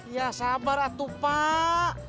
ya sabar atu pak